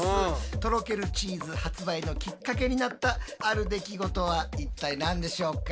とろけるチーズ発売のキッカケになったある出来事は一体何でしょうか？